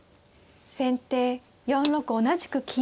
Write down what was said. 先手４六同じく金。